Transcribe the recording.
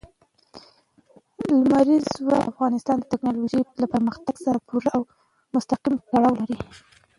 لمریز ځواک د افغانستان د تکنالوژۍ له پرمختګ سره پوره او مستقیم تړاو لري.